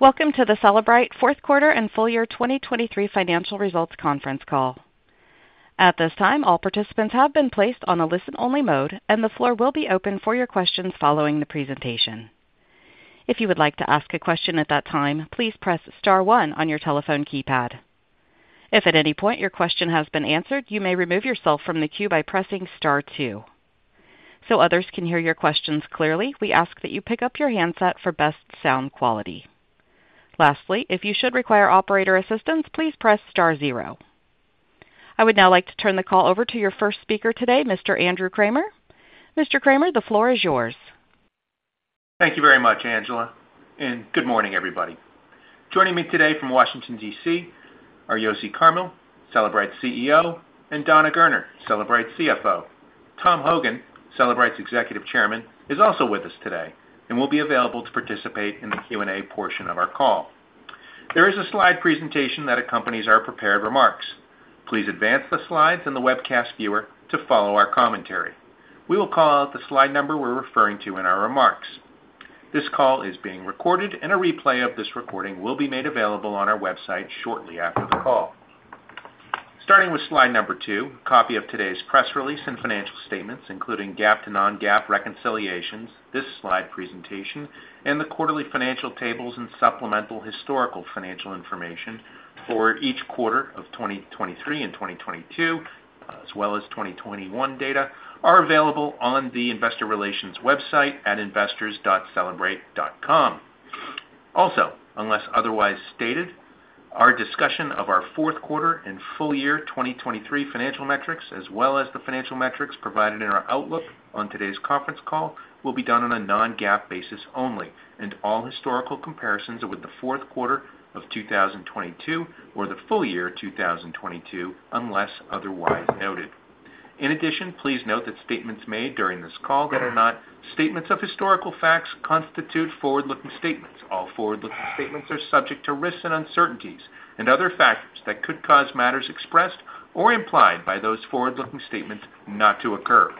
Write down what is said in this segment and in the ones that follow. Welcome to the Cellebrite fourth quarter and full year 2023 financial results conference call. At this time, all participants have been placed on a listen-only mode, and the floor will be open for your questions following the presentation. If you would like to ask a question at that time, please press star 1 on your telephone keypad. If at any point your question has been answered, you may remove yourself from the queue by pressing star 2. So others can hear your questions clearly, we ask that you pick up your handset for best sound quality. Lastly, if you should require operator assistance, please press star 0. I would now like to turn the call over to your first speaker today, Mr. Andrew Kramer. Mr. Kramer, the floor is yours. Thank you very much, Angela, and good morning, everybody. Joining me today from Washington, D.C., are Yossi Carmil, Cellebrite CEO, and Dana Gerner, Cellebrite CFO. Tom Hogan, Cellebrite's Executive Chairman, is also with us today and will be available to participate in the Q&A portion of our call. There is a slide presentation that accompanies our prepared remarks. Please advance the slides in the webcast viewer to follow our commentary. We will call out the slide number we're referring to in our remarks. This call is being recorded, and a replay of this recording will be made available on our website shortly after the call. Starting with slide number two, a copy of today's press release and financial statements, including GAAP to non-GAAP reconciliations, this slide presentation, and the quarterly financial tables and supplemental historical financial information for each quarter of 2023 and 2022, as well as 2021 data, are available on the Investor Relations website at investors.cellebrite.com. Also, unless otherwise stated, our discussion of our fourth quarter and full year 2023 financial metrics, as well as the financial metrics provided in our outlook on today's conference call, will be done on a non-GAAP basis only, and all historical comparisons are with the fourth quarter of 2022 or the full year 2022 unless otherwise noted. In addition, please note that statements made during this call that are not statements of historical facts constitute forward-looking statements. All forward-looking statements are subject to risks and uncertainties and other factors that could cause matters expressed or implied by those forward-looking statements not to occur.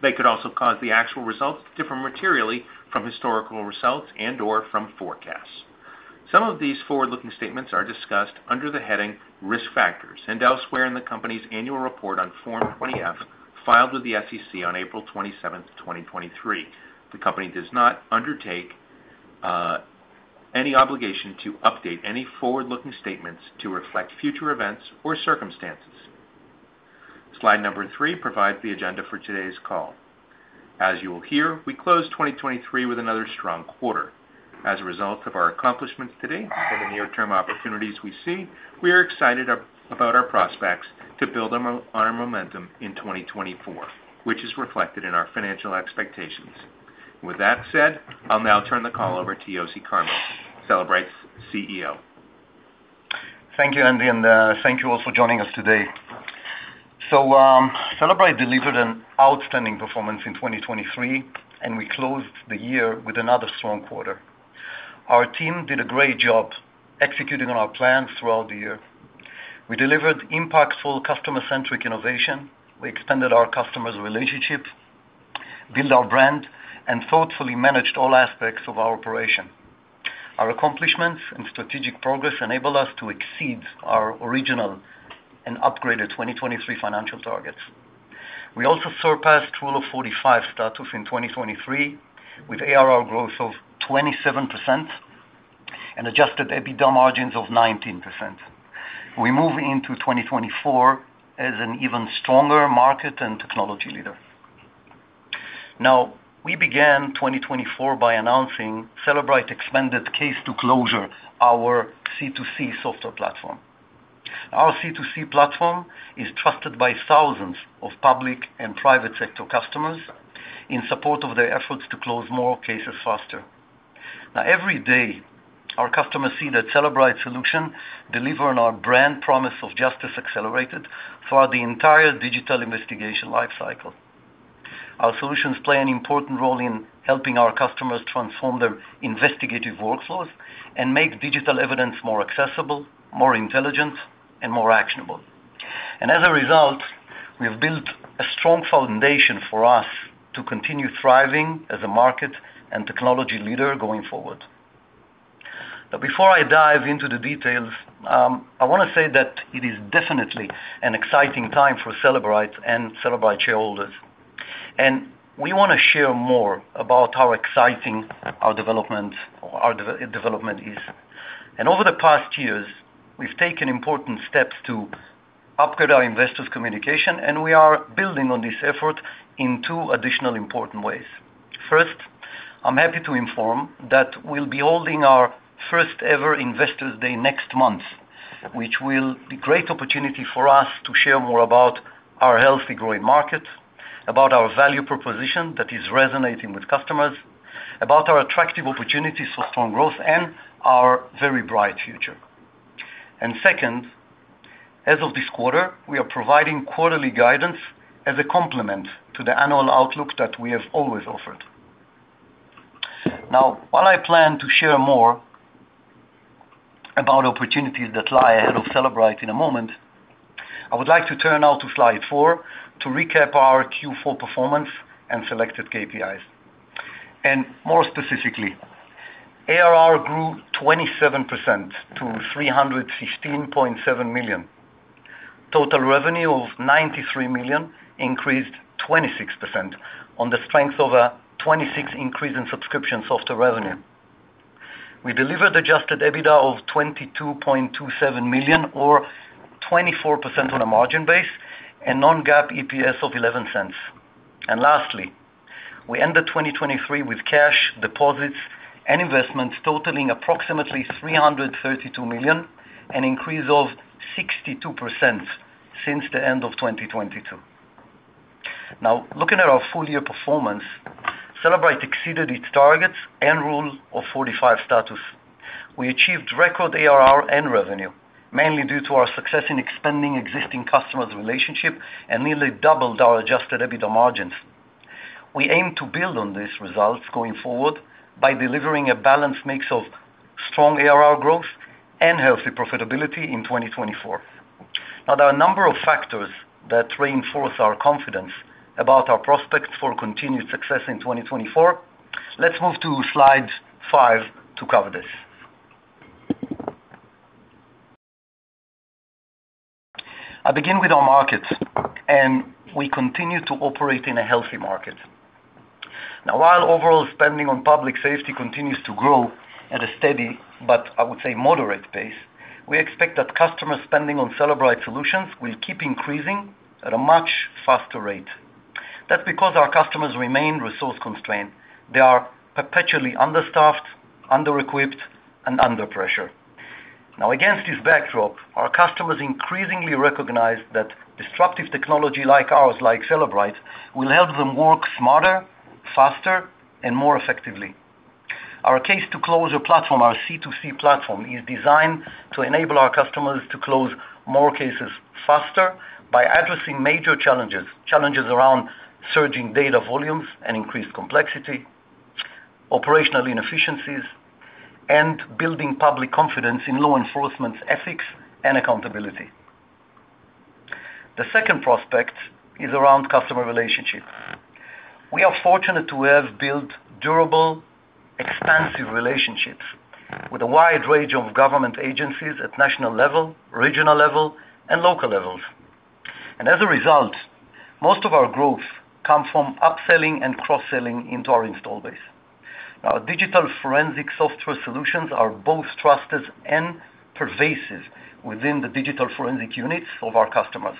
They could also cause the actual results different materially from historical results and/or from forecasts. Some of these forward-looking statements are discussed under the heading risk factors and elsewhere in the company's annual report on Form 20F filed with the SEC on April 27th, 2023. The company does not undertake any obligation to update any forward-looking statements to reflect future events or circumstances. Slide number 3 provides the agenda for today's call. As you will hear, we close 2023 with another strong quarter. As a result of our accomplishments today and the near-term opportunities we see, we are excited about our prospects to build on our momentum in 2024, which is reflected in our financial expectations. With that said, I'll now turn the call over to Yossi Carmil, Cellebrite's CEO. Thank you, Andy, and thank you all for joining us today. So Cellebrite delivered an outstanding performance in 2023, and we closed the year with another strong quarter. Our team did a great job executing on our plans throughout the year. We delivered impactful, customer-centric innovation. We expanded our customers' relationship, built our brand, and thoughtfully managed all aspects of our operation. Our accomplishments and strategic progress enabled us to exceed our original and upgraded 2023 financial targets. We also surpassed Rule of 45 status in 2023 with ARR growth of 27% and adjusted EBITDA margins of 19%. We move into 2024 as an even stronger market and technology leader. Now, we began 2024 by announcing Cellebrite expanded Case-to-Closure, our C2C software platform. Our C2C platform is trusted by thousands of public and private sector customers in support of their efforts to close more cases faster. Now, every day, our customers see that Cellebrite's solution deliver on our brand promise of justice accelerated throughout the entire digital investigation lifecycle. Our solutions play an important role in helping our customers transform their investigative workflows and make digital evidence more accessible, more intelligent, and more actionable. As a result, we have built a strong foundation for us to continue thriving as a market and technology leader going forward. Now, before I dive into the details, I want to say that it is definitely an exciting time for Cellebrite and Cellebrite shareholders, and we want to share more about how exciting our development is. Over the past years, we've taken important steps to upgrade our investors' communication, and we are building on this effort in two additional important ways. First, I'm happy to inform that we'll be holding our first-ever Investors' Day next month, which will be a great opportunity for us to share more about our healthy growing market, about our value proposition that is resonating with customers, about our attractive opportunities for strong growth, and our very bright future. And second, as of this quarter, we are providing quarterly guidance as a complement to the annual outlook that we have always offered. Now, while I plan to share more about opportunities that lie ahead of Cellebrite in a moment, I would like to turn now to slide 4 to recap our Q4 performance and selected KPIs. And more specifically, ARR grew 27% to $315.7 million. Total revenue of $93 million increased 26% on the strength of a 26% increase in subscription software revenue. We delivered adjusted EBITDA of $22.27 million, or 24% on a margin base, and non-GAAP EPS of $0.11. Lastly, we ended 2023 with cash, deposits, and investments totaling approximately $332 million, an increase of 62% since the end of 2022. Now, looking at our full year performance, Cellebrite exceeded its targets and Rule of 45 status. We achieved record ARR and revenue, mainly due to our success in expanding existing customers' relationship and nearly doubled our adjusted EBITDA margins. We aim to build on these results going forward by delivering a balanced mix of strong ARR growth and healthy profitability in 2024. Now, there are a number of factors that reinforce our confidence about our prospects for continued success in 2024. Let's move to slide 5 to cover this. I begin with our market, and we continue to operate in a healthy market. Now, while overall spending on public safety continues to grow at a steady but I would say moderate pace, we expect that customer spending on Cellebrite solutions will keep increasing at a much faster rate. That's because our customers remain resource-constrained. They are perpetually understaffed, under-equipped, and under pressure. Now, against this backdrop, our customers increasingly recognize that disruptive technology like ours, like Cellebrite, will help them work smarter, faster, and more effectively. Our Case-to-Closure platform, our C2C platform, is designed to enable our customers to close more cases faster by addressing major challenges around surging data volumes and increased complexity, operational inefficiencies, and building public confidence in law enforcement's ethics and accountability. The second prospect is around customer relationships. We are fortunate to have built durable, expansive relationships with a wide range of government agencies at national level, regional level, and local levels. As a result, most of our growth comes from upselling and cross-selling into our install base. Now, digital forensic software solutions are both trusted and pervasive within the digital forensic units of our customers.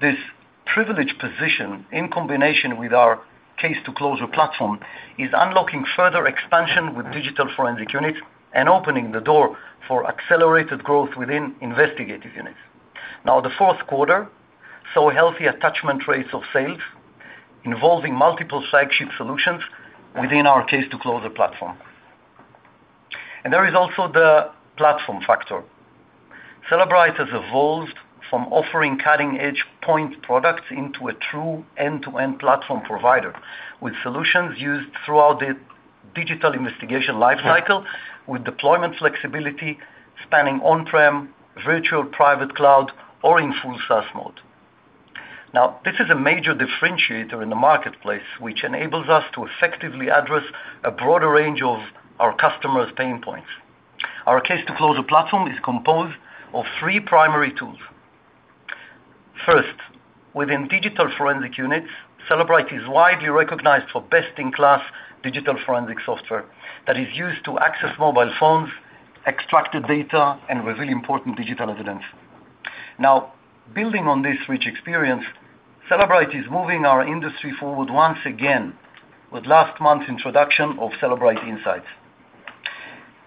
This privileged position, in combination with our Case-to-Closure platform, is unlocking further expansion with digital forensic units and opening the door for accelerated growth within investigative units. Now, the fourth quarter saw healthy attachment rates of sales involving multiple flagship solutions within our Case-to-Closure platform. There is also the platform factor. Cellebrite has evolved from offering cutting-edge point products into a true end-to-end platform provider with solutions used throughout the digital investigation lifecycle with deployment flexibility spanning on-prem, virtual, private cloud, or in full SaaS mode. Now, this is a major differentiator in the marketplace, which enables us to effectively address a broader range of our customers' pain points. Our Case-to-Closure platform is composed of three primary tools. First, within digital forensic units, Cellebrite is widely recognized for best-in-class digital forensic software that is used to access mobile phones, extract data, and reveal important digital evidence. Now, building on this rich experience, Cellebrite is moving our industry forward once again with last month's introduction of Cellebrite Insights.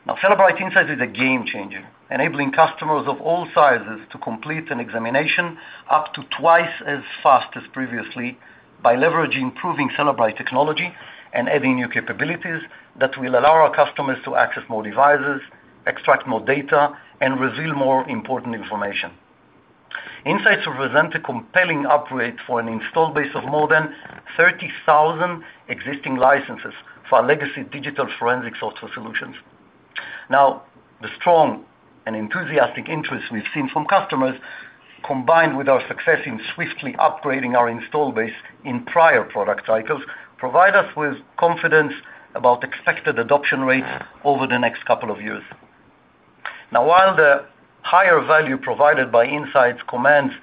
Now, Cellebrite Insights is a game-changer, enabling customers of all sizes to complete an examination up to twice as fast as previously by leveraging improving Cellebrite technology and adding new capabilities that will allow our customers to access more devices, extract more data, and reveal more important information. Insights represent a compelling upgrade for an install base of more than 30,000 existing licenses for our legacy digital forensic software solutions. Now, the strong and enthusiastic interest we've seen from customers, combined with our success in swiftly upgrading our install base in prior product cycles, provide us with confidence about expected adoption rates over the next couple of years. Now, while the higher value provided by Insights commands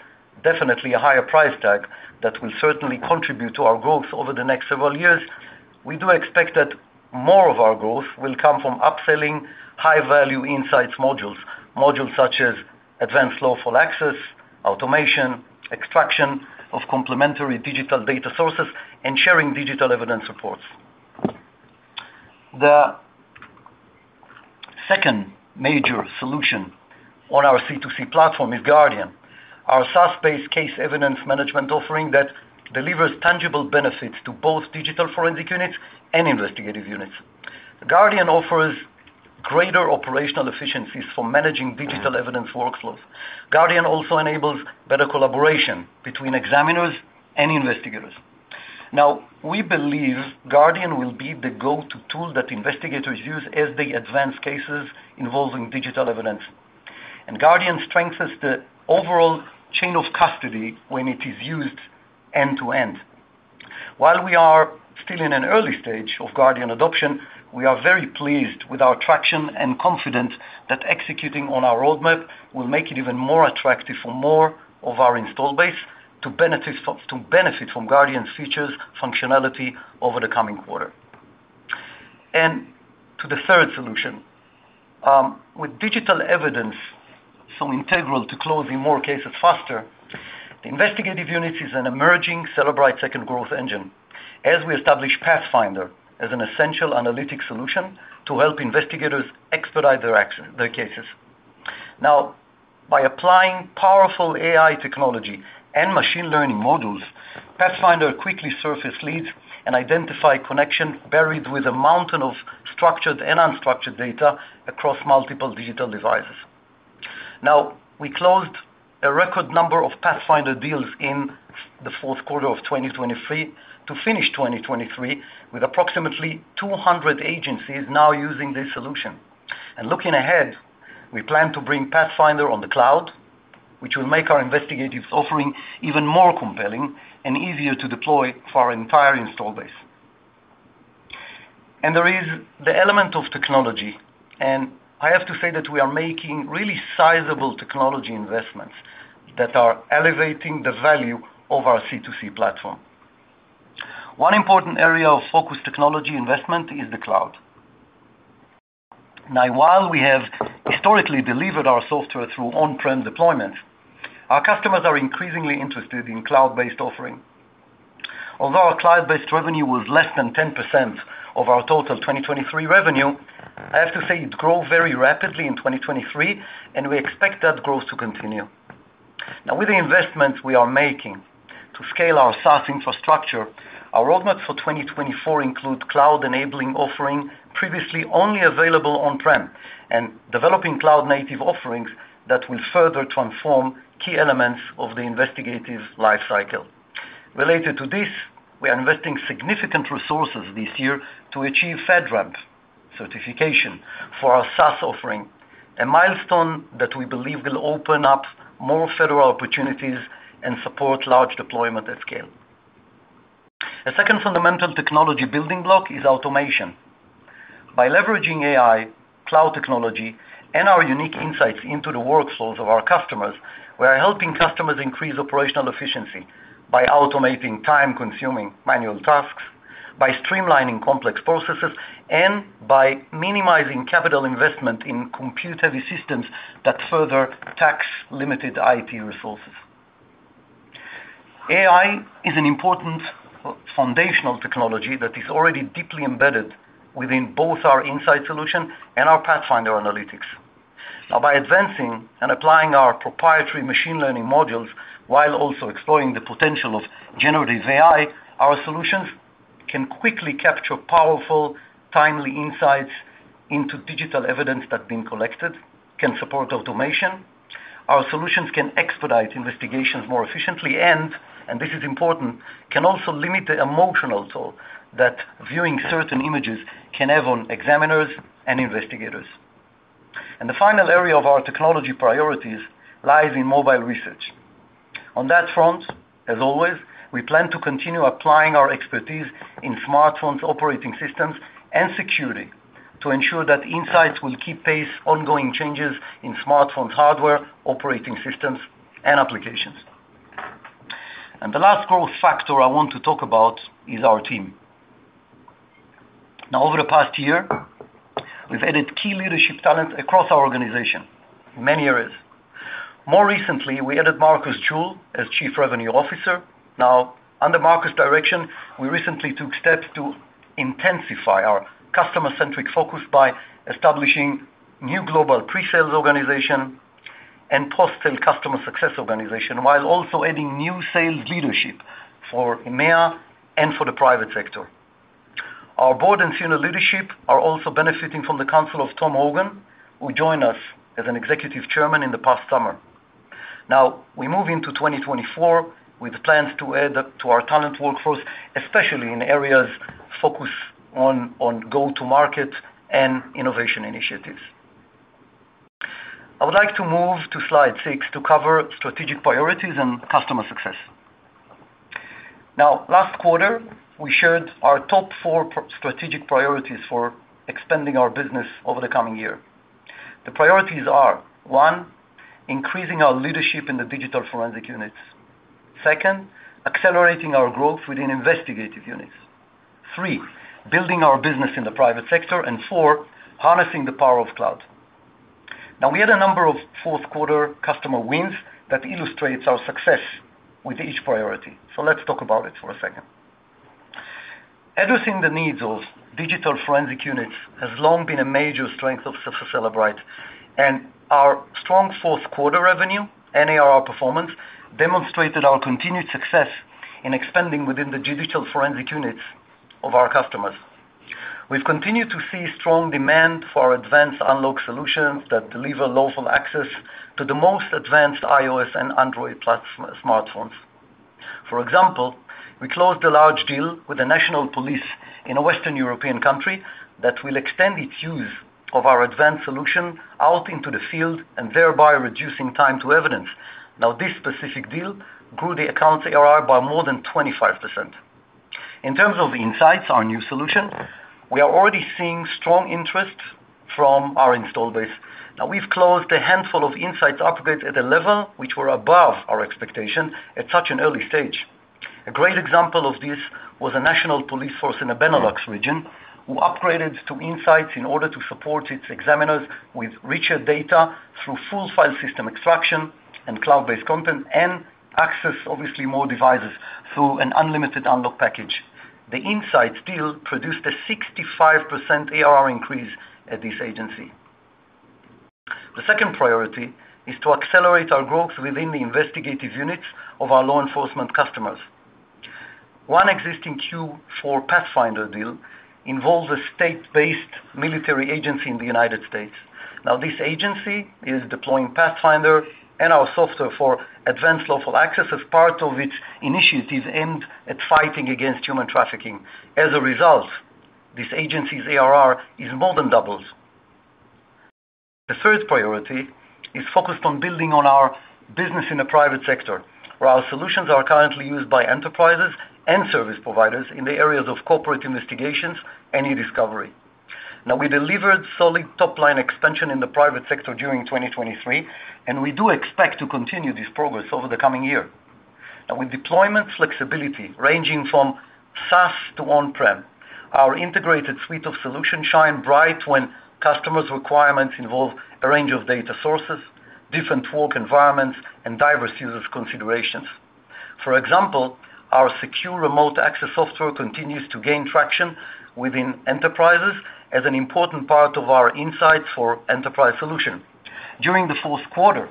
definitely a higher price tag that will certainly contribute to our growth over the next several years, we do expect that more of our growth will come from upselling high-value Insights modules, modules such as advanced lawful access, automation, extraction of complementary digital data sources, and sharing digital evidence reports. The second major solution on our C2C platform is Guardian, our SaaS-based case evidence management offering that delivers tangible benefits to both digital forensic units and investigative units. Guardian offers greater operational efficiencies for managing digital evidence workflows. Guardian also enables better collaboration between examiners and investigators. Now, we believe Guardian will be the go-to tool that investigators use as they advance cases involving digital evidence. And Guardian strengthens the overall chain of custody when it is used end-to-end. While we are still in an early stage of Guardian adoption, we are very pleased with our traction and confident that executing on our roadmap will make it even more attractive for more of our install base to benefit from Guardian's features, functionality over the coming quarter. And to the third solution, with digital evidence so integral to closing more cases faster, the investigative unit is an emerging Cellebrite second growth engine as we establish Pathfinder as an essential analytic solution to help investigators expedite their cases. Now, by applying powerful AI technology and machine learning modules, Pathfinder quickly surfaces leads and identifies connections buried with a mountain of structured and unstructured data across multiple digital devices. Now, we closed a record number of Pathfinder deals in the fourth quarter of 2023 to finish 2023 with approximately 200 agencies now using this solution. Looking ahead, we plan to bring Pathfinder on the cloud, which will make our investigative offering even more compelling and easier to deploy for our entire install base. There is the element of technology, and I have to say that we are making really sizable technology investments that are elevating the value of our C2C platform. One important area of focused technology investment is the cloud. Now, while we have historically delivered our software through on-prem deployments, our customers are increasingly interested in cloud-based offering. Although our cloud-based revenue was less than 10% of our total 2023 revenue, I have to say it grew very rapidly in 2023, and we expect that growth to continue. Now, with the investments we are making to scale our SaaS infrastructure, our roadmaps for 2024 include cloud-enabling offering previously only available on-prem and developing cloud-native offerings that will further transform key elements of the investigative lifecycle. Related to this, we are investing significant resources this year to achieve FedRAMP certification for our SaaS offering, a milestone that we believe will open up more federal opportunities and support large deployment at scale. A second fundamental technology building block is automation. By leveraging AI, cloud technology, and our unique insights into the workflows of our customers, we are helping customers increase operational efficiency by automating time-consuming manual tasks, by streamlining complex processes, and by minimizing capital investment in compute-heavy systems that further tax limited IT resources. AI is an important foundational technology that is already deeply embedded within both our Insights solution and our Pathfinder analytics. Now, by advancing and applying our proprietary machine learning modules while also exploring the potential of generative AI, our solutions can quickly capture powerful, timely insights into digital evidence that's been collected, can support automation, our solutions can expedite investigations more efficiently, and, and this is important, can also limit the emotional toll that viewing certain images can have on examiners and investigators. The final area of our technology priorities lies in mobile research. On that front, as always, we plan to continue applying our expertise in smartphones' operating systems and security to ensure that Insights will keep pace with ongoing changes in smartphones' hardware, operating systems, and applications. The last growth factor I want to talk about is our team. Now, over the past year, we've added key leadership talent across our organization in many areas. More recently, we added Marcus Jewell as Chief Revenue Officer. Now, under Marcus' direction, we recently took steps to intensify our customer-centric focus by establishing a new global presales organization and post-sale customer success organization while also adding new sales leadership for EMEA and for the private sector. Our board and senior leadership are also benefiting from the counsel of Tom Hogan, who joined us as Executive Chairman in the past summer. Now, we move into 2024 with plans to add to our talent workforce, especially in areas focused on go-to-market and innovation initiatives. I would like to move to slide 6 to cover strategic priorities and customer success. Now, last quarter, we shared our top four strategic priorities for expanding our business over the coming year. The priorities are: one, increasing our leadership in the digital forensic units, second, accelerating our growth within investigative units, three, building our business in the private sector, and four, harnessing the power of cloud. Now, we had a number of fourth-quarter customer wins that illustrate our success with each priority. So let's talk about it for a second. Addressing the needs of digital forensic units has long been a major strength of Cellebrite, and our strong fourth-quarter revenue and ARR performance demonstrated our continued success in expanding within the digital forensic units of our customers. We've continued to see strong demand for our advanced unlock solutions that deliver lawful access to the most advanced iOS and Android smartphones. For example, we closed a large deal with the National Police in a Western European country that will extend its use of our advanced solution out into the field and thereby reducing time to evidence. Now, this specific deal grew the accounts ARR by more than 25%. In terms of Insights, our new solution, we are already seeing strong interest from our install base. Now, we've closed a handful of Insights upgrades at a level which were above our expectation at such an early stage. A great example of this was the National Police force in the Benelux region, who upgraded to Insights in order to support its examiners with richer data through full file system extraction and cloud-based content and access, obviously, to more devices through an unlimited unlock package. The Insights deal produced a 65% ARR increase at this agency. The second priority is to accelerate our growth within the investigative units of our law enforcement customers. One existing Q4 Pathfinder deal involves a state-based military agency in the United States. Now, this agency is deploying Pathfinder and our software for advanced lawful access as part of its initiatives aimed at fighting against human trafficking. As a result, this agency's ARR is more than doubled. The third priority is focused on building on our business in the private sector, where our solutions are currently used by enterprises and service providers in the areas of corporate investigations and e-discovery. Now, we delivered solid top-line expansion in the private sector during 2023, and we do expect to continue this progress over the coming year. Now, with deployment flexibility ranging from SaaS to on-prem, our integrated suite of solutions shine bright when customers' requirements involve a range of data sources, different work environments, and diverse user considerations. For example, our secure remote access software continues to gain traction within enterprises as an important part of our Insights for enterprise solution. During the fourth quarter,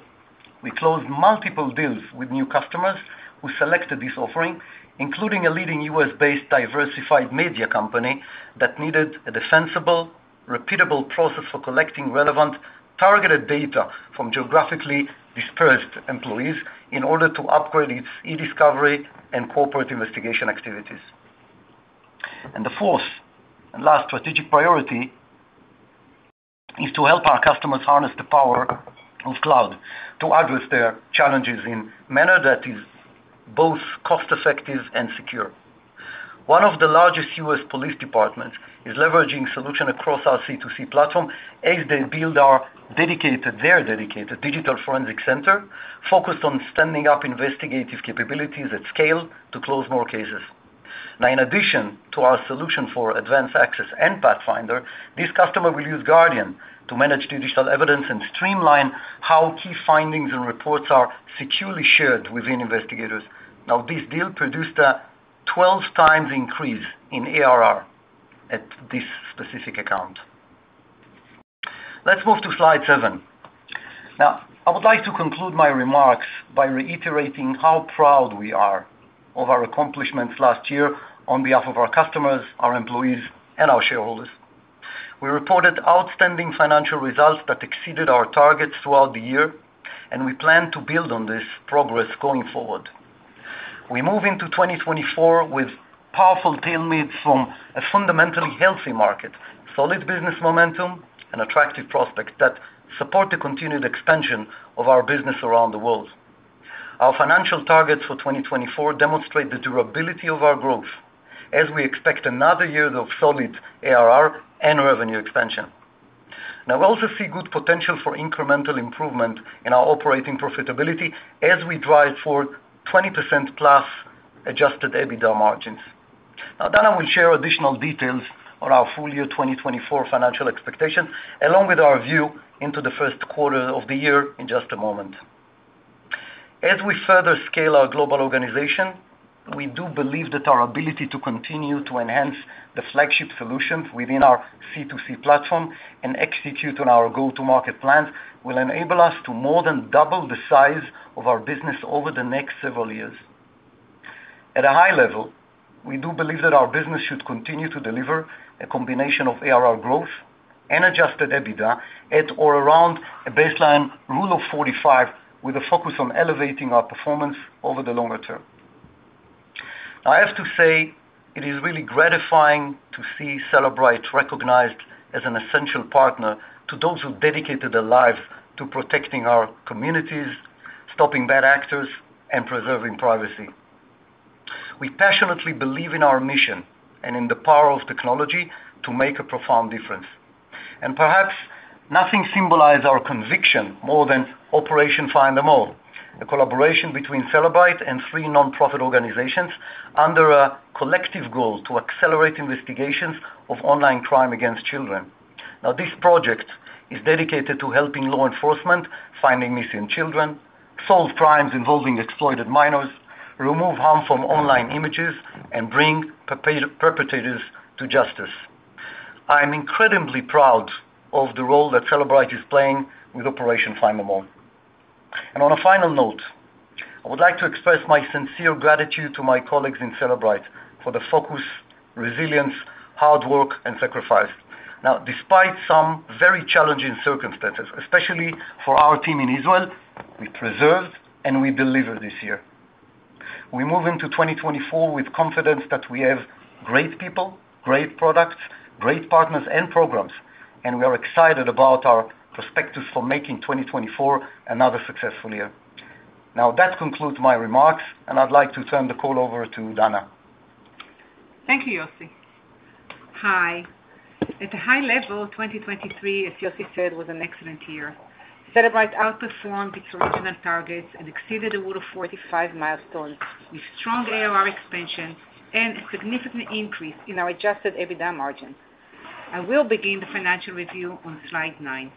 we closed multiple deals with new customers who selected this offering, including a leading U.S.-based diversified media company that needed a defensible, repeatable process for collecting relevant, targeted data from geographically dispersed employees in order to upgrade its e-discovery and corporate investigation activities. The fourth and last strategic priority is to help our customers harness the power of cloud to address their challenges in a manner that is both cost-effective and secure. One of the largest U.S. police departments is leveraging solutions across our C2C platform as they build their dedicated digital forensic center focused on standing up investigative capabilities at scale to close more cases. Now, in addition to our solution for advanced access and Pathfinder, this customer will use Guardian to manage digital evidence and streamline how key findings and reports are securely shared within investigators. Now, this deal produced a 12-times increase in ARR at this specific account. Let's move to slide 7. Now, I would like to conclude my remarks by reiterating how proud we are of our accomplishments last year on behalf of our customers, our employees, and our shareholders. We reported outstanding financial results that exceeded our targets throughout the year, and we plan to build on this progress going forward. We move into 2024 with powerful tailwinds from a fundamentally healthy market, solid business momentum, and attractive prospects that support the continued expansion of our business around the world. Our financial targets for 2024 demonstrate the durability of our growth as we expect another year of solid ARR and revenue expansion. Now, we also see good potential for incremental improvement in our operating profitability as we drive forward 20%+ adjusted EBITDA margins. Now, Dana will share additional details on our full year 2024 financial expectations along with our view into the first quarter of the year in just a moment. As we further scale our global organization, we do believe that our ability to continue to enhance the flagship solutions within our C2C platform and execute on our go-to-market plans will enable us to more than double the size of our business over the next several years. At a high level, we do believe that our business should continue to deliver a combination of ARR growth and adjusted EBITDA at or around a baseline Rule of 45 with a focus on elevating our performance over the longer term. Now, I have to say it is really gratifying to see Cellebrite recognized as an essential partner to those who dedicated their lives to protecting our communities, stopping bad actors, and preserving privacy. We passionately believe in our mission and in the power of technology to make a profound difference. Perhaps nothing symbolizes our conviction more than Operation Find Them All, a collaboration between Cellebrite and three nonprofit organizations under a collective goal to accelerate investigations of online crime against children. Now, this project is dedicated to helping law enforcement find missing children, solve crimes involving exploited minors, remove harm from online images, and bring perpetrators to justice. I am incredibly proud of the role that Cellebrite is playing with Operation Find Them All. On a final note, I would like to express my sincere gratitude to my colleagues in Cellebrite for the focus, resilience, hard work, and sacrifice. Now, despite some very challenging circumstances, especially for our team in Israel, we persevered and we delivered this year. We move into 2024 with confidence that we have great people, great products, great partners, and programs, and we are excited about our prospects for making 2024 another successful year. Now, that concludes my remarks, and I'd like to turn the call over to Dana. Thank you, Yossi. Hi. At a high level, 2023, as Yossi said, was an excellent year. Cellebrite outperformed its original targets and exceeded the Rule of 45 milestones with strong ARR expansion and a significant increase in our adjusted EBITDA margins. I will begin the financial review on slide 9.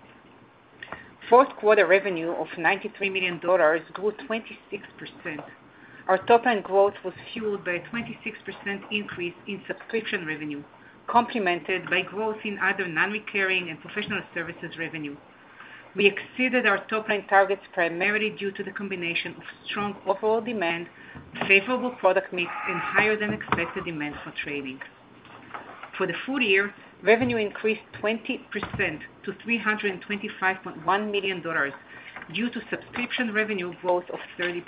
Fourth quarter revenue of $93 million grew 26%. Our top-line growth was fueled by a 26% increase in subscription revenue, complemented by growth in other non-recurring and professional services revenue. We exceeded our top-line targets primarily due to the combination of strong overall demand, favorable product mix, and higher-than-expected demand for training. For the full year, revenue increased 20% to $325.1 million due to subscription revenue growth of 30%.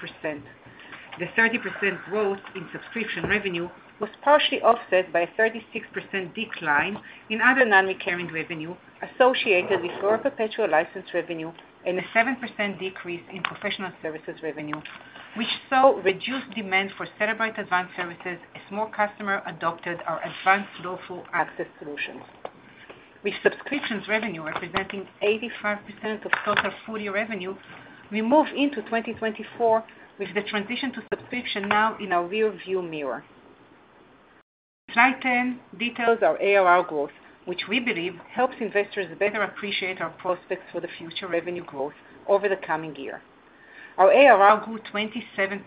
The 30% growth in subscription revenue was partially offset by a 36% decline in other non-recurring revenue associated with our perpetual license revenue and a 7% decrease in professional services revenue, which saw reduced demand for Cellebrite Advanced Services as more customers adopted our advanced lawful access solutions. With subscription revenue representing 85% of total full-year revenue, we move into 2024 with the transition to subscription now in our rearview mirror. Slide 10 details our ARR growth, which we believe helps investors better appreciate our prospects for the future revenue growth over the coming year. Our ARR grew 27%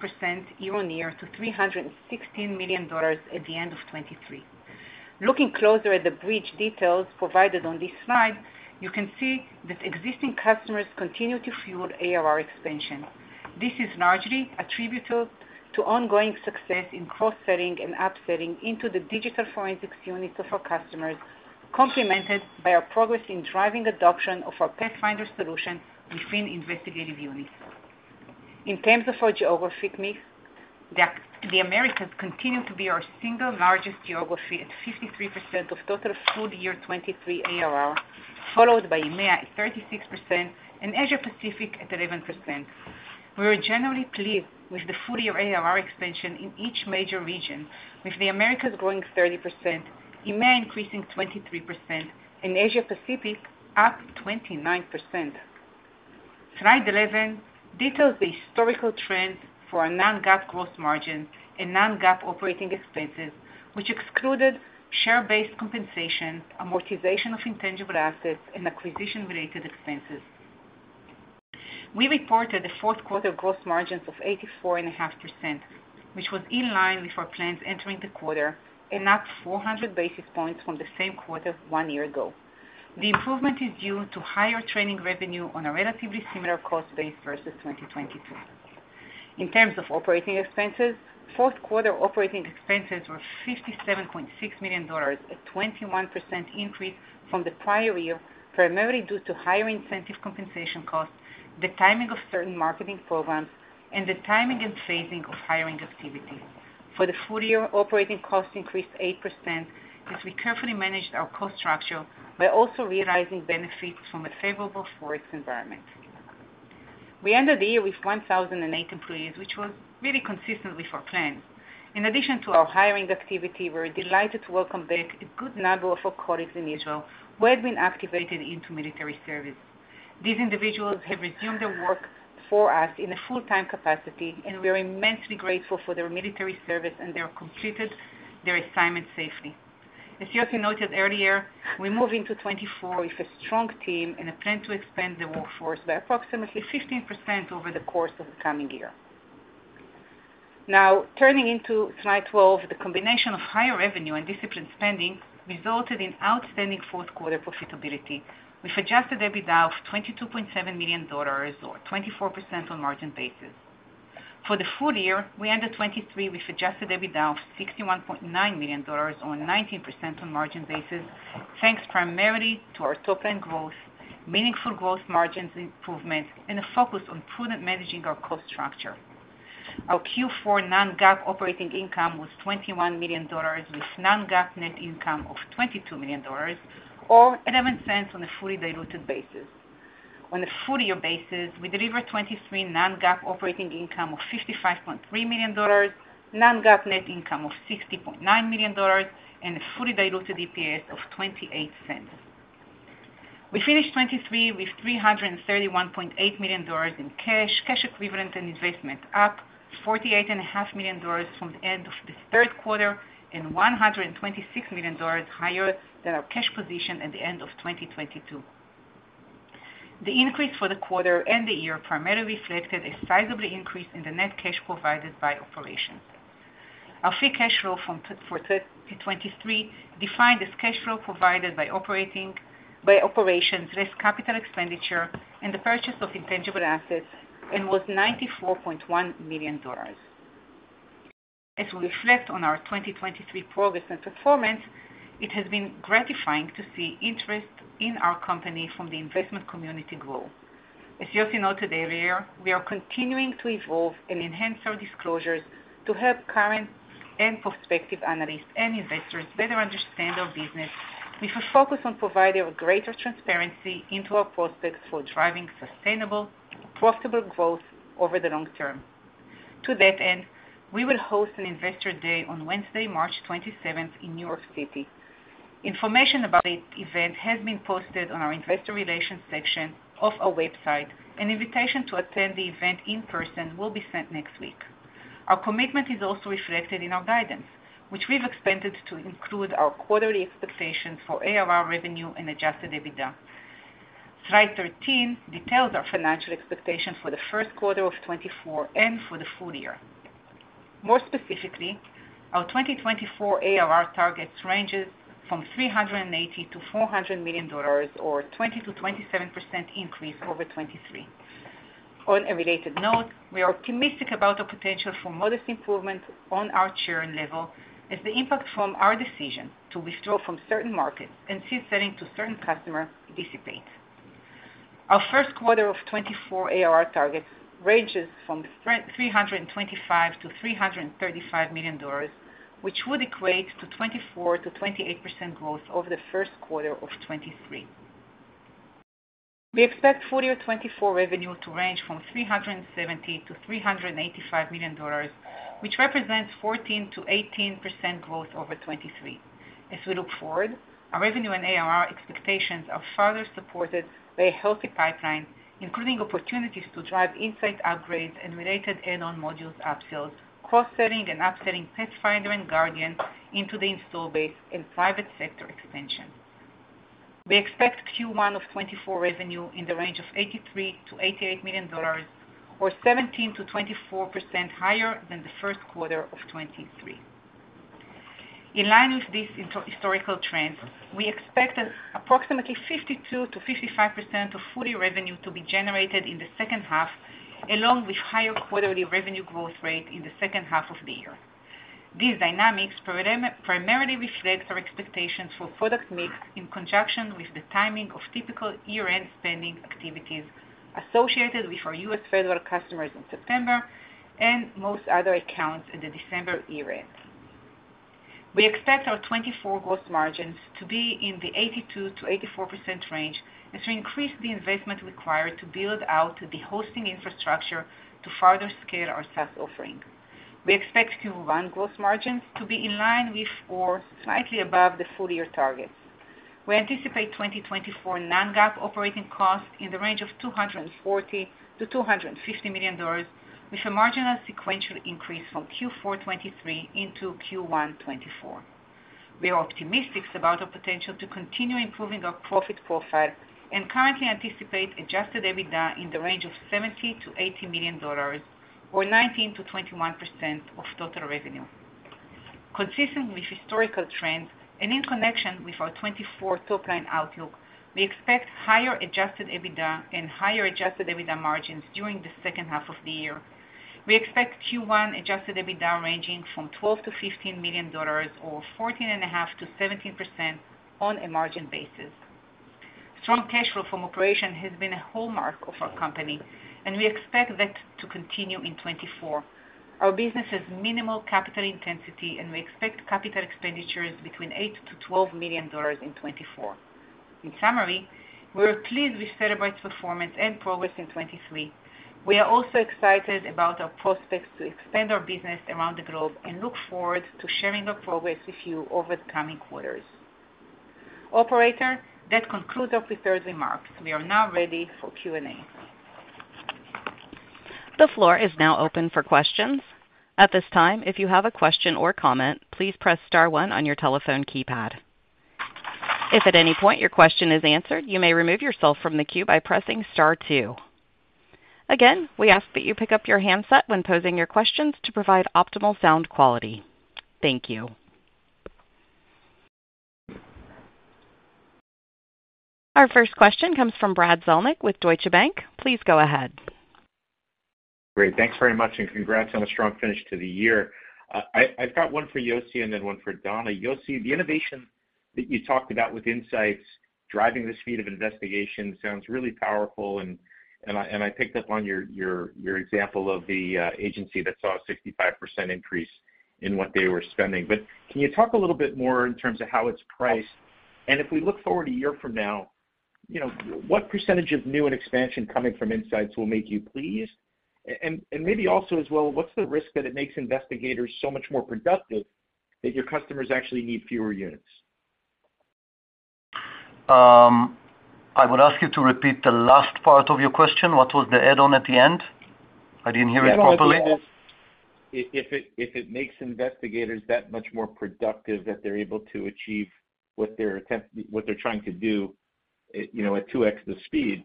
year-over-year to $316 million at the end of 2023. Looking closer at the bridge details provided on this slide, you can see that existing customers continue to fuel ARR expansion. This is largely attributable to ongoing success in cross-selling and upselling into the digital forensics units of our customers, complemented by our progress in driving adoption of our Pathfinder solution within investigative units. In terms of our geographic mix, the Americas continue to be our single largest geography at 53% of total full-year 2023 ARR, followed by EMEA at 36% and Asia-Pacific at 11%. We are generally pleased with the full-year ARR expansion in each major region, with the Americas growing 30%, EMEA increasing 23%, and Asia-Pacific up 29%. Slide 11 details the historical trends for our non-GAAP gross margins and non-GAAP operating expenses, which excluded share-based compensation, amortization of intangible assets, and acquisition-related expenses. We reported the fourth-quarter gross margins of 84.5%, which was in line with our plans entering the quarter and up 400 basis points from the same quarter one year ago. The improvement is due to higher training revenue on a relatively similar cost base versus 2022. In terms of operating expenses, fourth quarter operating expenses were $57.6 million, a 21% increase from the prior year, primarily due to higher incentive compensation costs, the timing of certain marketing programs, and the timing and phasing of hiring activities. For the full year, operating costs increased 8% as we carefully managed our cost structure by also realizing benefits from a favorable forex environment. We ended the year with 1,008 employees, which was really consistent with our plans. In addition to our hiring activity, we're delighted to welcome back a good number of our colleagues in Israel who had been activated into military service. These individuals have resumed their work for us in a full-time capacity, and we are immensely grateful for their military service and their completing their assignments safely. As Yossi noted earlier, we move into 2024 with a strong team and a plan to expand the workforce by approximately 15% over the course of the coming year. Now, turning into slide 12, the combination of higher revenue and disciplined spending resulted in outstanding fourth-quarter profitability with adjusted EBITDA of $22.7 million or 24% on margin basis. For the full year, we ended 2023 with adjusted EBITDA of $61.9 million or 19% on margin basis, thanks primarily to our top-line growth, meaningful gross margins improvement, and a focus on prudent managing our cost structure. Our Q4 non-GAAP operating income was $21 million with non-GAAP net income of $22 million or $0.11 on a fully diluted basis. On a full-year basis, we delivered 2023 non-GAAP operating income of $55.3 million, non-GAAP net income of $60.9 million, and a fully diluted EPS of $0.28. We finished 2023 with $331.8 million in cash, cash equivalents and investments up $48.5 million from the end of the third quarter and $126 million higher than our cash position at the end of 2022. The increase for the quarter and the year primarily reflected a sizable increase in the net cash provided by operations. Our free cash flow for 2023 defined as cash flow provided by operations, less capital expenditure, and the purchase of intangible assets and was $94.1 million. As we reflect on our 2023 progress and performance, it has been gratifying to see interest in our company from the investment community growth. As Yossi noted earlier, we are continuing to evolve and enhance our disclosures to help current and prospective analysts and investors better understand our business with a focus on providing greater transparency into our prospects for driving sustainable, profitable growth over the long term. To that end, we will host an Investor Day on Wednesday, March 27th, in New York City. Information about the event has been posted on our investor relations section of our website. An invitation to attend the event in person will be sent next week. Our commitment is also reflected in our guidance, which we've expanded to include our quarterly expectations for ARR revenue and adjusted EBITDA. Slide 13 details our financial expectations for the first quarter of 2024 and for the full year. More specifically, our 2024 ARR targets ranges from $380 million-$400 million or a 20%-27% increase over 2023. On a related note, we are optimistic about our potential for modest improvement on our churn level as the impact from our decision to withdraw from certain markets and seat-setting to certain customers dissipates. Our first quarter of 2024 ARR targets range from $325-$335 million, which would equate to 24%-28% growth over the first quarter of 2023. We expect full-year 2024 revenue to range from $370-$385 million, which represents 14%-18% growth over 2023. As we look forward, our revenue and ARR expectations are further supported by a healthy pipeline, including opportunities to drive Insights upgrades and related add-on modules upsells, cross-selling and upselling Pathfinder and Guardian into the installed base and private sector expansion. We expect Q1 of 2024 revenue in the range of $83-$88 million or 17%-24% higher than the first quarter of 2023. In line with these historical trends, we expect approximately 52%-55% of full-year revenue to be generated in the second half, along with higher quarterly revenue growth rate in the second half of the year. These dynamics primarily reflect our expectations for product mix in conjunction with the timing of typical year-end spending activities associated with our U.S. federal customers in September and most other accounts in the December year-end. We expect our 2024 gross margins to be in the 82%-84% range as we increase the investment required to build out the hosting infrastructure to further scale our SaaS offering. We expect Q1 gross margins to be in line with or slightly above the full-year targets. We anticipate 2024 non-GAAP operating costs in the range of $240-$250 million, with a marginal sequential increase from Q4 2023 into Q1 2024. We are optimistic about our potential to continue improving our profit profile and currently anticipate adjusted EBITDA in the range of $70-$80 million or 19%-21% of total revenue. Consistent with historical trends and in connection with our 2024 top-line outlook, we expect higher adjusted EBITDA and higher adjusted EBITDA margins during the second half of the year. We expect Q1 adjusted EBITDA ranging from $12-$15 million or 14.5%-17% on a margin basis. Strong cash flow from operations has been a hallmark of our company, and we expect that to continue in 2024. Our business has minimal capital intensity, and we expect capital expenditures between $8-$12 million in 2024. In summary, we are pleased with Cellebrite's performance and progress in 2023. We are also excited about our prospects to expand our business around the globe and look forward to sharing our progress with you over the coming quarters. Operator, that concludes our prepared remarks. We are now ready for Q&A. The floor is now open for questions. At this time, if you have a question or comment, please press star 1 on your telephone keypad. If at any point your question is answered, you may remove yourself from the queue by pressing star 2. Again, we ask that you pick up your handset when posing your questions to provide optimal sound quality. Thank you. Our first question comes from Brad Zelnick with Deutsche Bank. Please go ahead. Great. Thanks very much, and congrats on a strong finish to the year. I've got one for Yossi and then one for Dana. Yossi, the innovation that you talked about with insights driving the speed of investigation sounds really powerful, and I picked up on your example of the agency that saw a 65% increase in what they were spending. But can you talk a little bit more in terms of how it's priced? And if we look forward a year from now, what percentage of new and expansion coming from insights will make you pleased? And maybe also as well, what's the risk that it makes investigators so much more productive that your customers actually need fewer units? I would ask you to repeat the last part of your question. What was the add-on at the end? I didn't hear it properly. Yeah. If it makes investigators that much more productive, that they're able to achieve what they're trying to do at 2x the speed,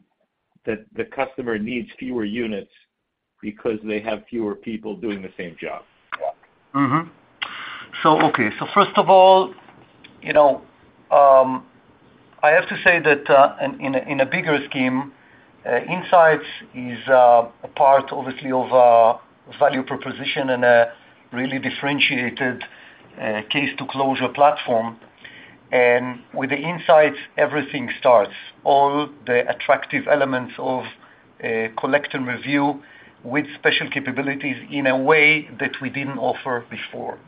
that the customer needs fewer units because they have fewer people doing the same job. Yeah. So, okay. So first of all, I have to say that in a bigger scheme, Insights is a part, obviously, of a value proposition and a really differentiated Case-to-Closure platform. And with the Insights, everything starts, all the attractive elements of collect and review with special capabilities in a way that we didn't offer before.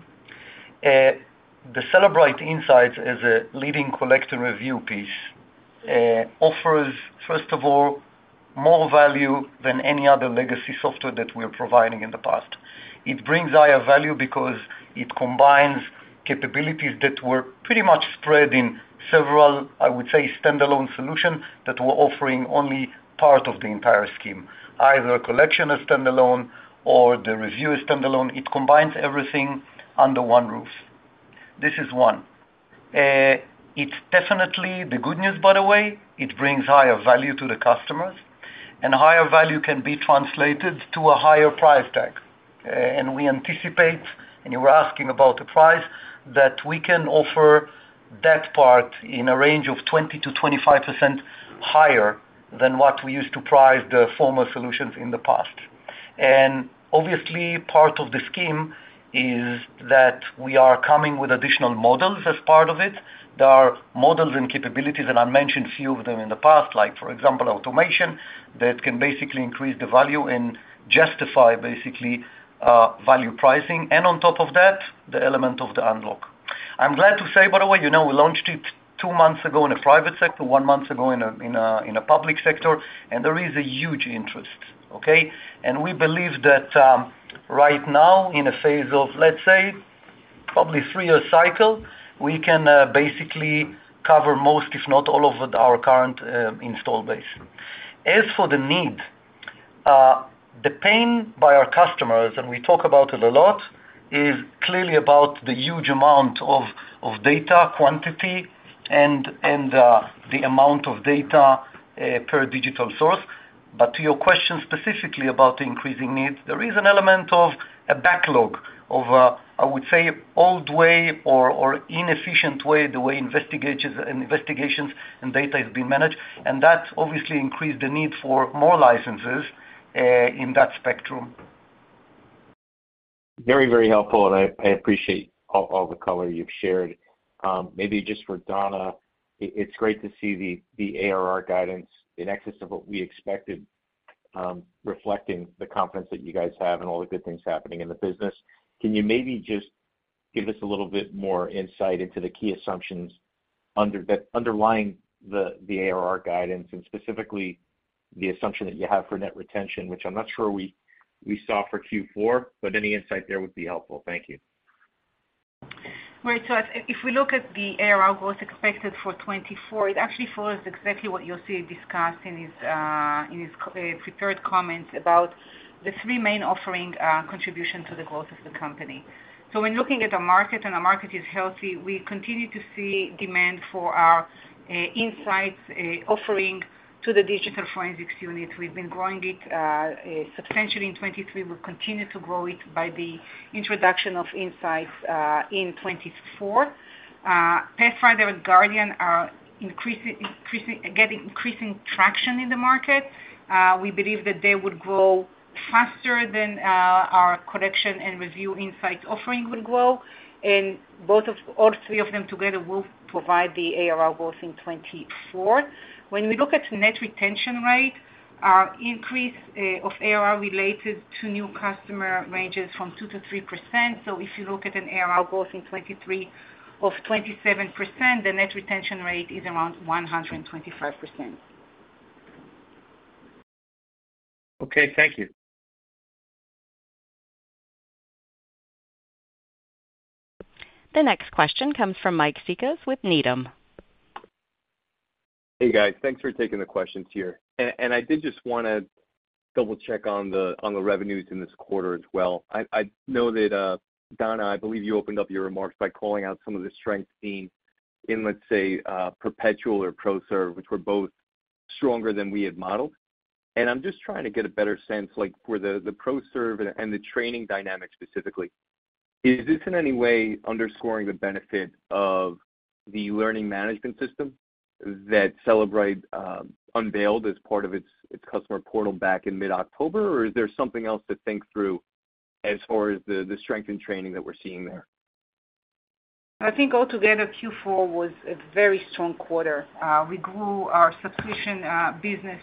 The Cellebrite Insights as a leading collect and review piece offers, first of all, more value than any other legacy software that we were providing in the past. It brings higher value because it combines capabilities that were pretty much spread in several, I would say, standalone solutions that were offering only part of the entire scheme, either a collection as standalone or the review as standalone. It combines everything under one roof. This is one. It's definitely the good news, by the way. It brings higher value to the customers. Higher value can be translated to a higher price tag. We anticipate, and you were asking about the price, that we can offer that part in a range of 20%-25% higher than what we used to price the former solutions in the past. Obviously, part of the scheme is that we are coming with additional models as part of it. There are models and capabilities, and I mentioned a few of them in the past, like for example, automation that can basically increase the value and justify basically value pricing. On top of that, the element of the unlock. I'm glad to say, by the way, we launched it two months ago in the private sector, one month ago in a public sector, and there is a huge interest, okay? And we believe that right now, in a phase of, let's say, probably three-year cycle, we can basically cover most, if not all, of our current install base. As for the need, the pain by our customers, and we talk about it a lot, is clearly about the huge amount of data, quantity, and the amount of data per digital source. But to your question specifically about the increasing need, there is an element of a backlog of, I would say, old way or inefficient way, the way investigations and data has been managed. And that obviously increased the need for more licenses in that spectrum. Very, very helpful, and I appreciate all the color you've shared. Maybe just for Dana, it's great to see the ARR guidance in excess of what we expected, reflecting the confidence that you guys have and all the good things happening in the business. Can you maybe just give us a little bit more insight into the key assumptions underlying the ARR guidance and specifically the assumption that you have for net retention, which I'm not sure we saw for Q4, but any insight there would be helpful. Thank you. Right. So if we look at the ARR growth expected for 2024, it actually follows exactly what Yossi discussed in his prepared comments about the three main offering contributions to the growth of the company. So when looking at a market, and a market is healthy, we continue to see demand for our Insights offering to the digital forensics unit. We've been growing it substantially in 2023. We'll continue to grow it by the introduction of Insights in 2024. Pathfinder and Guardian are getting increasing traction in the market. We believe that they would grow faster than our collection and review Insights offering would grow. And all three of them together will provide the ARR growth in 2024. When we look at net retention rate, our increase of ARR related to new customer ranges from 2%-3%. If you look at an ARR growth in 2023 of 27%, the net retention rate is around 125%. Okay. Thank you. The next question comes from Mike Cikos with Needham. Hey, guys. Thanks for taking the questions here. And I did just want to double-check on the revenues in this quarter as well. I know that, Dana, I believe you opened up your remarks by calling out some of the strengths seen in, let's say, Perpetual or ProServe, which were both stronger than we had modeled. And I'm just trying to get a better sense for the ProServe and the training dynamic specifically. Is this in any way underscoring the benefit of the learning management system that Cellebrite unveiled as part of its customer portal back in mid-October, or is there something else to think through as far as the strength and training that we're seeing there? I think altogether, Q4 was a very strong quarter. We grew our subscription business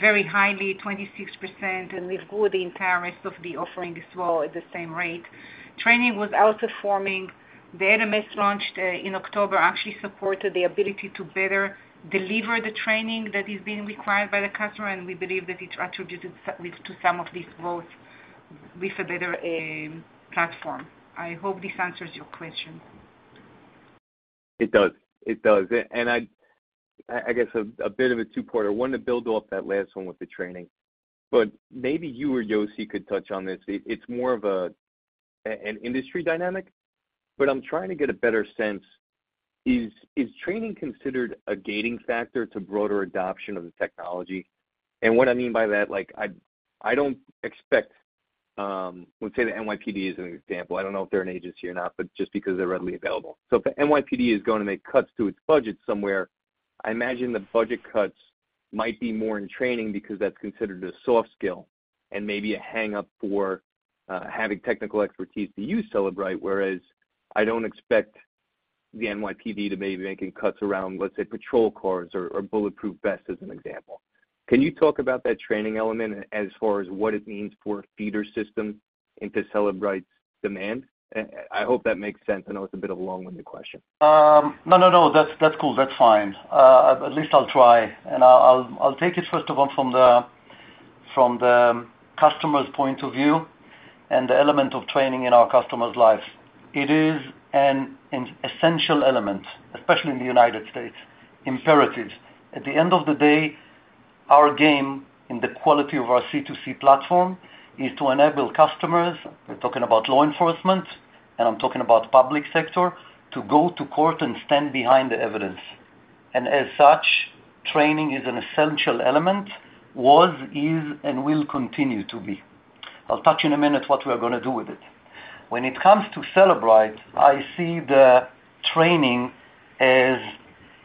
very highly, 26%, and we've grew the entire rest of the offering as well at the same rate. Training was outperforming. The LMS launched in October actually supported the ability to better deliver the training that is being required by the customer, and we believe that it's attributed to some of these growths with a better platform. I hope this answers your question. It does. It does. And I guess a bit of a two-parter. I wanted to build off that last one with the training. But maybe you or Yossi could touch on this. It's more of an industry dynamic, but I'm trying to get a better sense. Is training considered a gating factor to broader adoption of the technology? And what I mean by that, I don't expect we'll say that NYPD is an example. I don't know if they're an agency or not, but just because they're readily available. So if NYPD is going to make cuts to its budget somewhere, I imagine the budget cuts might be more in training because that's considered a soft skill and maybe a hang-up for having technical expertise to use Cellebrite, whereas I don't expect the NYPD to be making cuts around, let's say, patrol cars or bulletproof vests as an example. Can you talk about that training element as far as what it means for feeder systems into Cellebrite's demand? I hope that makes sense. I know it's a bit of a long-winded question. No, no, no. That's cool. That's fine. At least I'll try. I'll take it, first of all, from the customer's point of view and the element of training in our customers' lives. It is an essential element, especially in the United States, imperative. At the end of the day, our game in the quality of our C2C platform is to enable customers - we're talking about law enforcement, and I'm talking about public sector - to go to court and stand behind the evidence. As such, training is an essential element, was, is, and will continue to be. I'll touch in a minute what we are going to do with it. When it comes to Cellebrite, I see the training as,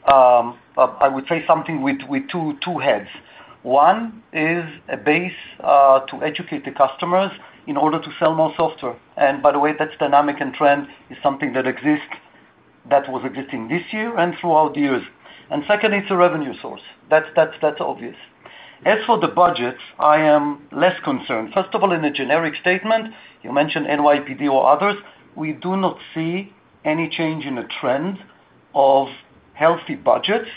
I would say, something with two heads. One is a base to educate the customers in order to sell more software. And by the way, that's dynamic and trend, is something that was existing this year and throughout the years. Second, it's a revenue source. That's obvious. As for the budgets, I am less concerned. First of all, in a generic statement, you mentioned NYPD or others, we do not see any change in a trend of healthy budgets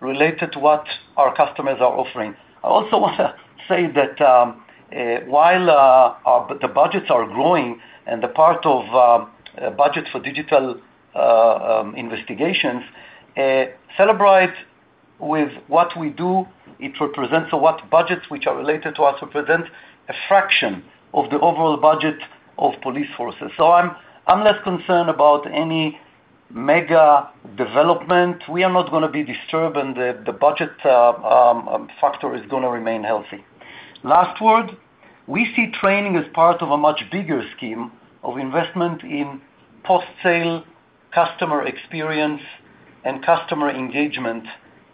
related to what our customers are offering. I also want to say that while the budgets are growing and the part of budgets for digital investigations, Cellebrite, with what we do, it represents so what budgets which are related to us represent a fraction of the overall budget of police forces. So I'm less concerned about any mega development. We are not going to be disturbed, and the budget factor is going to remain healthy. Last word, we see training as part of a much bigger scheme of investment in post-sale customer experience and customer engagement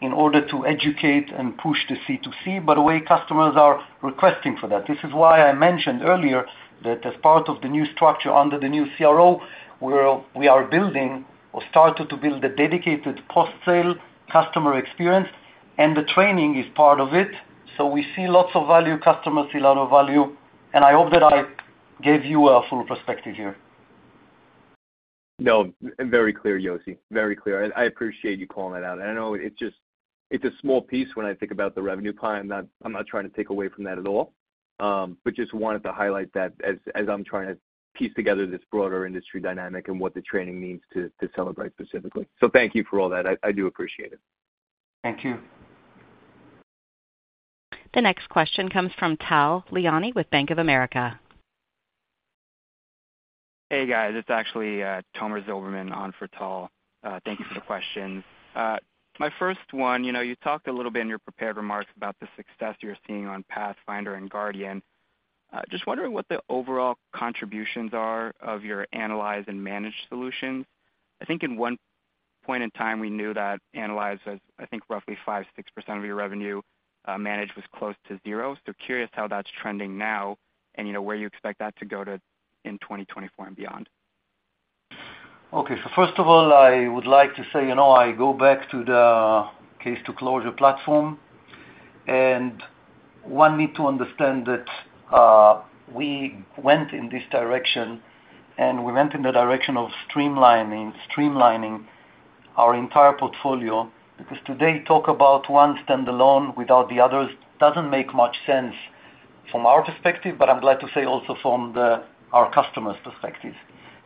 in order to educate and push the C2C, by the way, customers are requesting for that. This is why I mentioned earlier that as part of the new structure under the new CRO, we are building or started to build a dedicated post-sale customer experience, and the training is part of it. So we see lots of value, customers see a lot of value. I hope that I gave you a full perspective here. No, very clear, Yossi. Very clear. I appreciate you calling that out. I know it's a small piece when I think about the revenue pie. I'm not trying to take away from that at all, but just wanted to highlight that as I'm trying to piece together this broader industry dynamic and what the training means to Cellebrite specifically. Thank you for all that. I do appreciate it. Thank you. The next question comes from Tal Liani with Bank of America. Hey, guys. It's actually Tomer Zilberman on for Tal. Thank you for the questions. My first one, you talked a little bit in your prepared remarks about the success you're seeing on Pathfinder and Guardian. Just wondering what the overall contributions are of your analyze and manage solutions. I think at one point in time, we knew that analyze, I think, roughly 5%-6% of your revenue managed was close to zero. So curious how that's trending now and where you expect that to go in 2024 and beyond. Okay. So first of all, I would like to say I go back to the Case-to-Closure platform. And one need to understand that we went in this direction, and we went in the direction of streamlining our entire portfolio because today talk about one standalone without the others doesn't make much sense from our perspective, but I'm glad to say also from our customers' perspectives.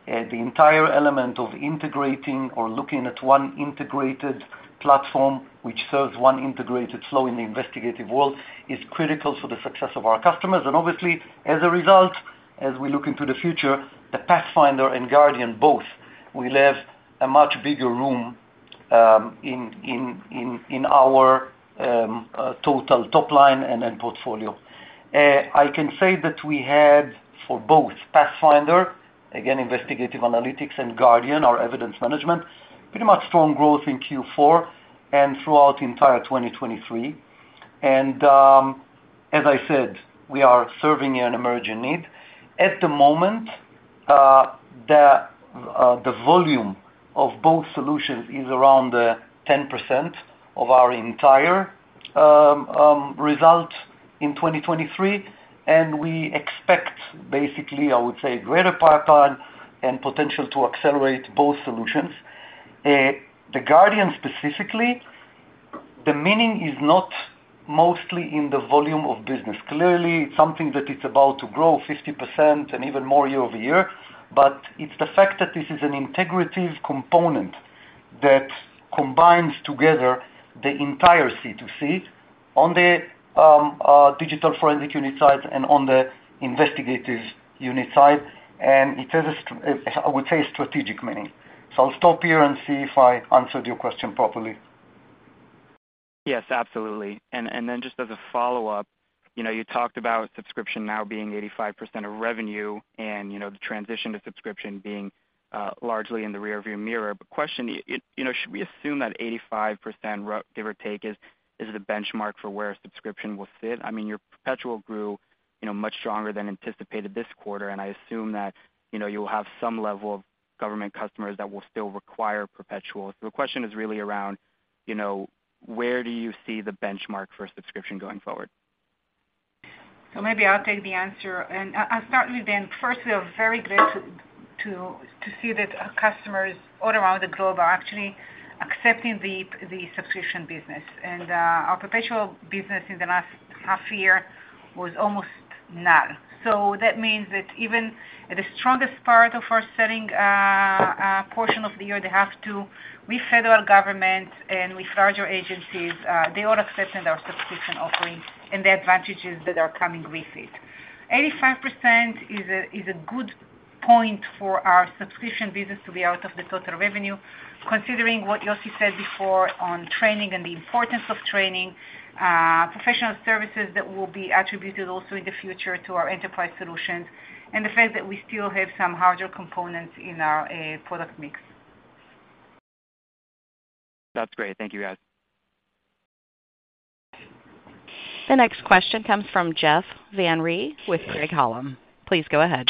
The entire element of integrating or looking at one integrated platform which serves one integrated flow in the investigative world is critical for the success of our customers. And obviously, as a result, as we look into the future, the Pathfinder and Guardian, both, we leave a much bigger room in our total top line and portfolio. I can say that we had for both Pathfinder, again, investigative analytics, and Guardian, our evidence management, pretty much strong growth in Q4 and throughout entire 2023. As I said, we are serving an emerging need. At the moment, the volume of both solutions is around 10% of our entire result in 2023. We expect, basically, I would say, greater pipeline and potential to accelerate both solutions. The Guardian specifically, the meaning is not mostly in the volume of business. Clearly, it's something that it's about to grow 50% and even more year-over-year. But it's the fact that this is an integrative component that combines together the entire C2C on the digital forensic unit side and on the investigative unit side. It has, I would say, a strategic meaning. So I'll stop here and see if I answered your question properly. Yes, absolutely. And then just as a follow-up, you talked about subscription now being 85% of revenue and the transition to subscription being largely in the rearview mirror. But question, should we assume that 85%, give or take, is the benchmark for where a subscription will sit? I mean, your Perpetual grew much stronger than anticipated this quarter, and I assume that you'll have some level of government customers that will still require Perpetual. So the question is really around where do you see the benchmark for subscription going forward? So maybe I'll take the answer. And I'll start with then. First, we are very glad to see that customers all around the globe are actually accepting the subscription business. And our Perpetual business in the last half year was almost null. So that means that even the strongest part of our selling portion of the year, they have to with federal government and with larger agencies, they all accepted our subscription offering and the advantages that are coming with it. 85% is a good point for our subscription business to be out of the total revenue, considering what Yossi said before on training and the importance of training, professional services that will be attributed also in the future to our enterprise solutions, and the fact that we still have some hardware components in our product mix. That's great. Thank you, guys. The next question comes from Jeff Van Rhee with Craig-Hallum. Please go ahead.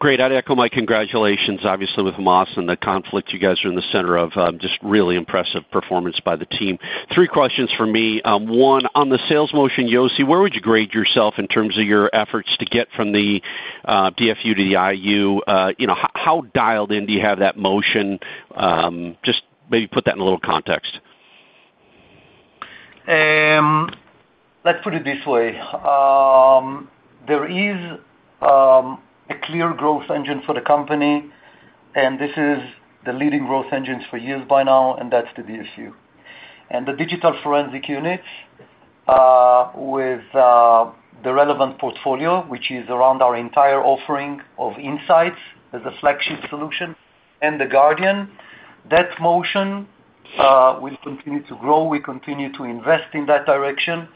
Great. I'd echo my congratulations, obviously, with Yossi and the conflict you guys are in the center of. Just really impressive performance by the team. Three questions for me. One, on the sales motion, Yossi, where would you grade yourself in terms of your efforts to get from the DFU to the IU? How dialed in do you have that motion? Just maybe put that in a little context. Let's put it this way. There is a clear growth engine for the company, and this is the leading growth engines for years by now, and that's the DFU. And the digital forensic units with the relevant portfolio, which is around our entire offering of Insights as a flagship solution and the Guardian, that motion will continue to grow. We continue to invest in that direction.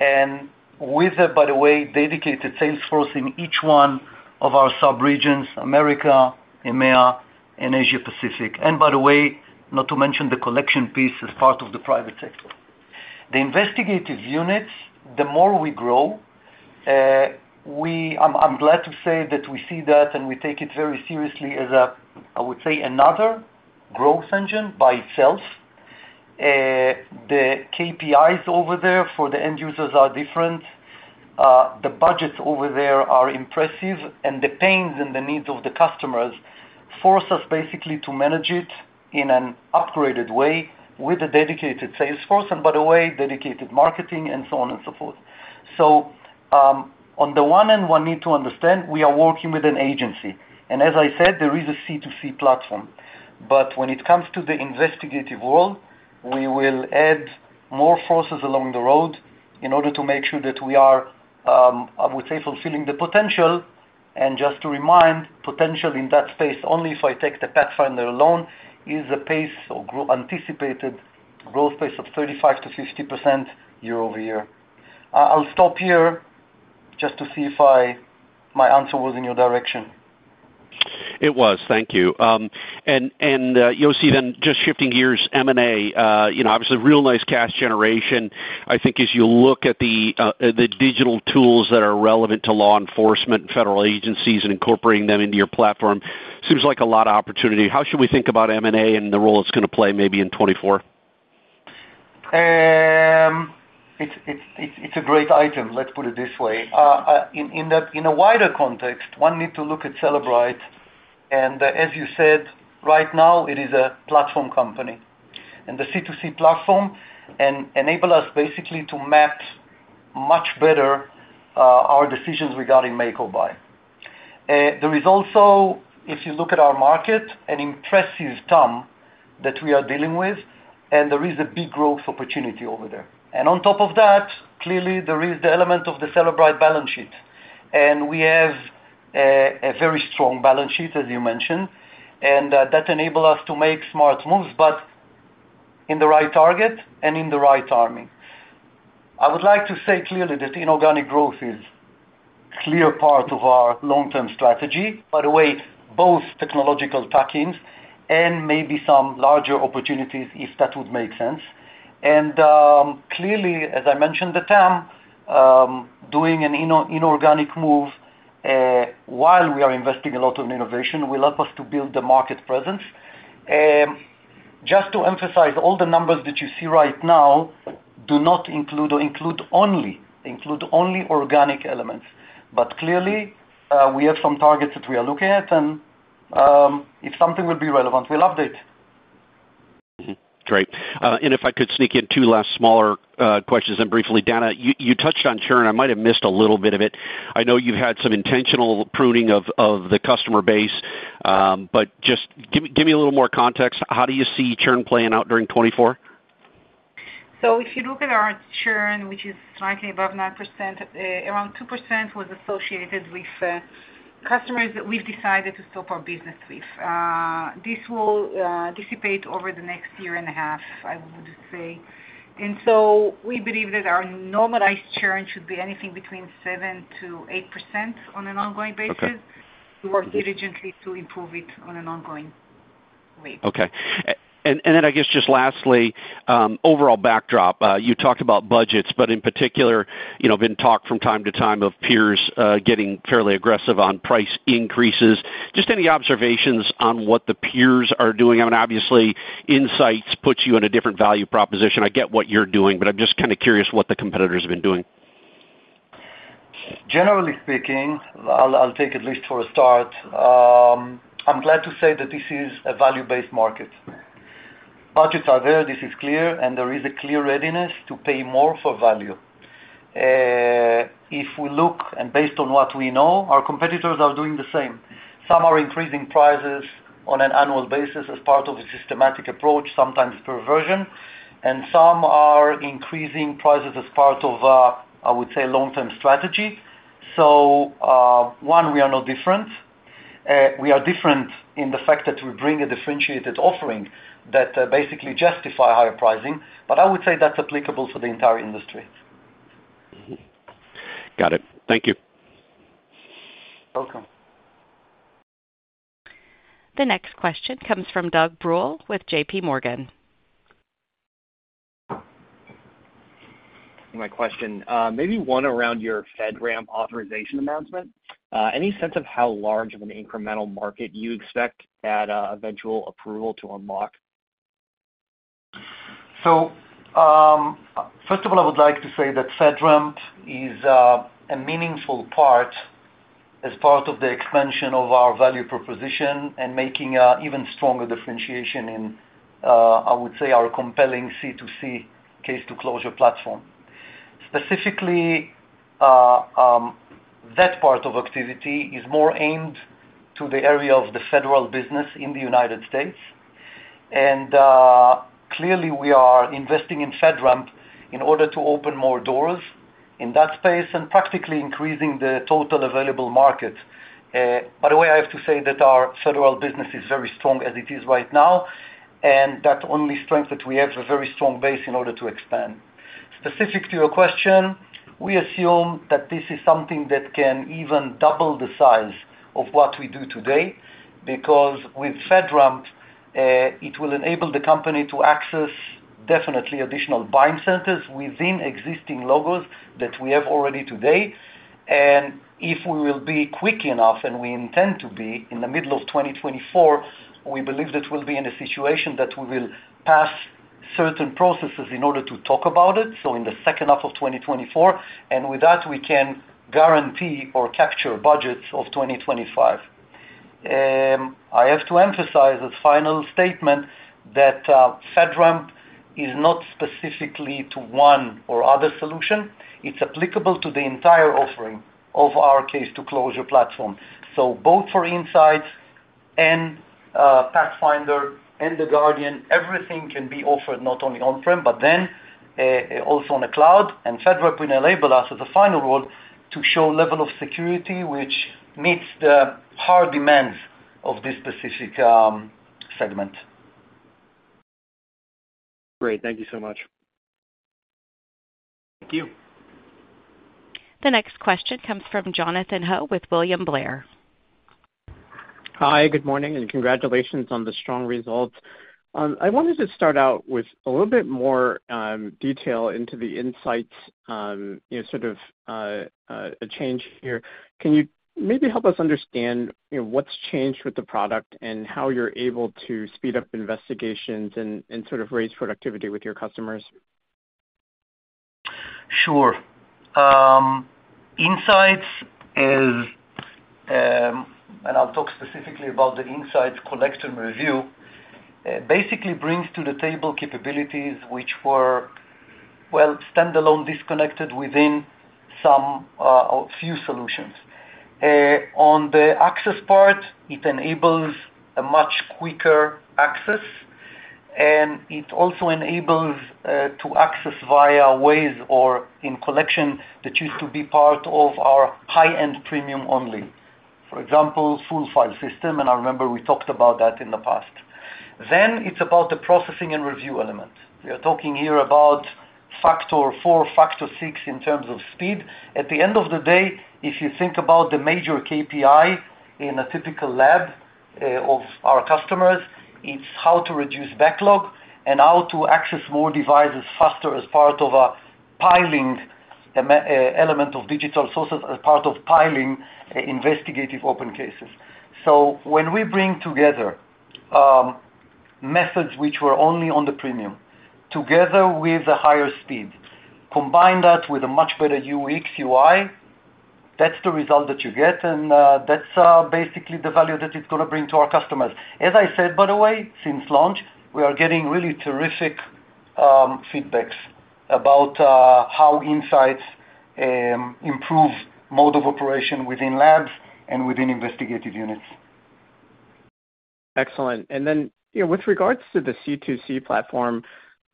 And with it, by the way, dedicated sales force in each one of our subregions, Americas, EMEA, and Asia-Pacific. And by the way, not to mention the collection piece as part of the private sector. The investigative units, the more we grow, I'm glad to say that we see that and we take it very seriously as, I would say, another growth engine by itself. The KPIs over there for the end users are different. The budgets over there are impressive, and the pains and the needs of the customers force us basically to manage it in an upgraded way with a dedicated sales force and, by the way, dedicated marketing and so on and so forth. So on the one end, one need to understand we are working with an agency. And as I said, there is a C2C platform. But when it comes to the investigative world, we will add more forces along the road in order to make sure that we are, I would say, fulfilling the potential. And just to remind, potential in that space, only if I take the Pathfinder alone, is a pace or anticipated growth pace of 35%-50% year-over-year. I'll stop here just to see if my answer was in your direction. It was. Thank you. And Yossi, then just shifting gears, M&A. Obviously, real nice cash generation. I think as you look at the digital tools that are relevant to law enforcement and federal agencies and incorporating them into your platform, seems like a lot of opportunity. How should we think about M&A and the role it's going to play maybe in 2024? It's a great item. Let's put it this way. In a wider context, one need to look at Cellebrite. As you said, right now, it is a platform company. The C2C platform enables us basically to map much better our decisions regarding make or buy. There is also, if you look at our market, an impressive TAM that we are dealing with, and there is a big growth opportunity over there. On top of that, clearly, there is the element of the Cellebrite balance sheet. We have a very strong balance sheet, as you mentioned, and that enables us to make smart moves but in the right target and in the right area. I would like to say clearly that inorganic growth is a clear part of our long-term strategy, by the way, both technological tuck-ins and maybe some larger opportunities if that would make sense. And clearly, as I mentioned, the TAM doing an inorganic move while we are investing a lot in innovation will help us to build the market presence. Just to emphasize, all the numbers that you see right now do not include or include only organic elements. But clearly, we have some targets that we are looking at, and if something will be relevant, we'll update. Great. And if I could sneak in two last smaller questions then briefly. Dana, you touched on churn. I might have missed a little bit of it. I know you've had some intentional pruning of the customer base, but just give me a little more context. How do you see churn playing out during 2024? If you look at our churn, which is slightly above 9%, around 2% was associated with customers that we've decided to stop our business with. This will dissipate over the next year and a half, I would say. We believe that our normalized churn should be anything between 7%-8% on an ongoing basis. We work diligently to improve it on an ongoing rate. Okay. Then I guess just lastly, overall backdrop. You talked about budgets, but in particular, been talked from time to time of peers getting fairly aggressive on price increases. Just any observations on what the peers are doing? I mean, obviously, Insights puts you in a different value proposition. I get what you're doing, but I'm just kind of curious what the competitors have been doing. Generally speaking, I'll take at least for a start, I'm glad to say that this is a value-based market. Budgets are there. This is clear. There is a clear readiness to pay more for value. If we look and based on what we know, our competitors are doing the same. Some are increasing prices on an annual basis as part of a systematic approach, sometimes per version, and some are increasing prices as part of, I would say, long-term strategy. One, we are not different. We are different in the fact that we bring a differentiated offering that basically justifies higher pricing. I would say that's applicable for the entire industry. Got it. Thank you. Welcome. The next question comes from Doug Bruehl with JPMorgan. My question, maybe one around your FedRAMP authorization announcement. Any sense of how large of an incremental market you expect at eventual approval to unlock? So first of all, I would like to say that FedRAMP is a meaningful part as part of the expansion of our value proposition and making an even stronger differentiation in, I would say, our compelling C2C Case-to-Closure platform. Specifically, that part of activity is more aimed to the area of the federal business in the United States. And clearly, we are investing in FedRAMP in order to open more doors in that space and practically increasing the total addressable market. By the way, I have to say that our federal business is very strong as it is right now, and that only strengthens that we have a very strong base in order to expand. Specific to your question, we assume that this is something that can even double the size of what we do today because with FedRAMP, it will enable the company to access definitely additional buying centers within existing logos that we have already today. And if we will be quick enough, and we intend to be, in the middle of 2024, we believe that we'll be in a situation that we will pass certain processes in order to talk about it, so in the second half of 2024. And with that, we can guarantee or capture budgets of 2025. I have to emphasize as final statement that FedRAMP is not specifically to one or other solution. It's applicable to the entire offering of our Case-to-Closure platform. So both for Insights and Pathfinder and the Guardian, everything can be offered not only on-prem but then also on the cloud. FedRAMP will enable us as a final rule to show a level of security which meets the hard demands of this specific segment. Great. Thank you so much. Thank you. The next question comes from Jonathan Ho with William Blair. Hi. Good morning and congratulations on the strong results. I wanted to start out with a little bit more detail into the insights, sort of a change here. Can you maybe help us understand what's changed with the product and how you're able to speed up investigations and sort of raise productivity with your customers? Sure. Insights is, and I'll talk specifically about the Insights collection review, basically brings to the table capabilities which were, well, standalone, disconnected within a few solutions. On the access part, it enables a much quicker access, and it also enables to access via Waze or in collection that used to be part of our high-end premium only, for example, full file system. And I remember we talked about that in the past. Then it's about the processing and review element. We are talking here about factor 4, factor 6 in terms of speed. At the end of the day, if you think about the major KPI in a typical lab of our customers, it's how to reduce backlog and how to access more devices faster as part of a piling element of digital sources as part of piling investigative open cases. So when we bring together methods which were only on the premium together with a higher speed, combine that with a much better UX/UI, that's the result that you get. And that's basically the value that it's going to bring to our customers. As I said, by the way, since launch, we are getting really terrific feedbacks about how insights improve mode of operation within labs and within investigative units. Excellent. And then with regards to the C2C platform,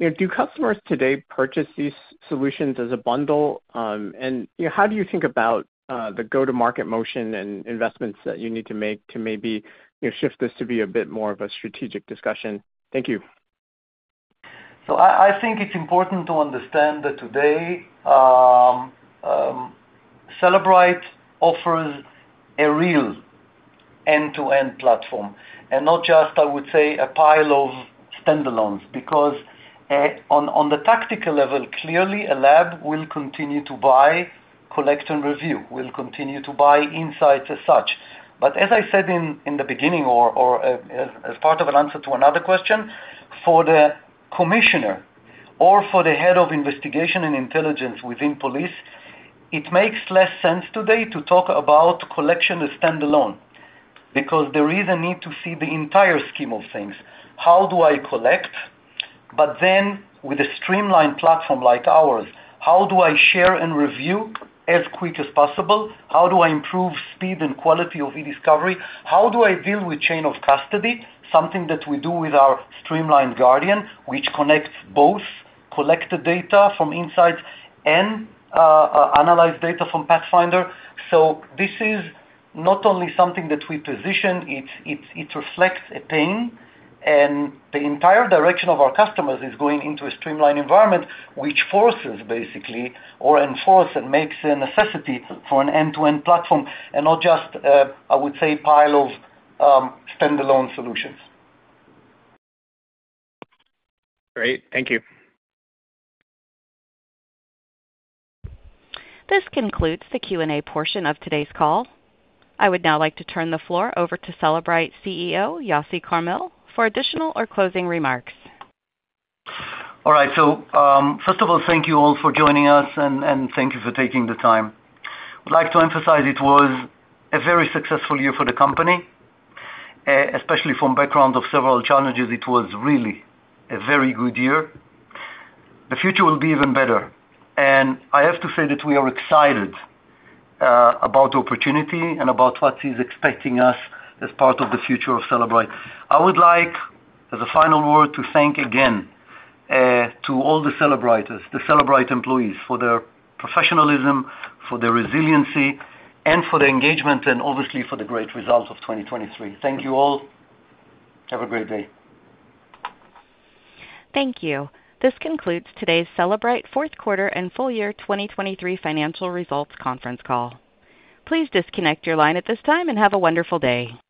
do customers today purchase these solutions as a bundle? And how do you think about the go-to-market motion and investments that you need to make to maybe shift this to be a bit more of a strategic discussion? Thank you. So I think it's important to understand that today, Cellebrite offers a real end-to-end platform and not just, I would say, a pile of standalones because on the tactical level, clearly, a lab will continue to buy collection review, will continue to buy Insights as such. But as I said in the beginning or as part of an answer to another question, for the commissioner or for the head of investigation and intelligence within police, it makes less sense today to talk about collection as standalone because there is a need to see the entire scheme of things. How do I collect? But then with a streamlined platform like ours, how do I share and review as quick as possible? How do I improve speed and quality of e-discovery? How do I deal with chain of custody, something that we do with our streamlined Guardian which connects both collected data from Insights and analyzed data from Pathfinder? So this is not only something that we position. It reflects a pain. And the entire direction of our customers is going into a streamlined environment which forces basically or enforces and makes a necessity for an end-to-end platform and not just, I would say, a pile of standalone solutions. Great. Thank you. This concludes the Q&A portion of today's call. I would now like to turn the floor over to Cellebrite CEO Yossi Carmil for additional or closing remarks. All right. First of all, thank you all for joining us, and thank you for taking the time. I'd like to emphasize it was a very successful year for the company. Especially from a background of several challenges, it was really a very good year. The future will be even better. I have to say that we are excited about the opportunity and about what is expecting us as part of the future of Cellebrite. I would like, as a final word, to thank again to all the Cellebriters, the Cellebrite employees, for their professionalism, for their resiliency, and for their engagement, and obviously, for the great result of 2023. Thank you all. Have a great day. Thank you. This concludes today's Cellebrite fourth quarter and full year 2023 financial results conference call. Please disconnect your line at this time and have a wonderful day.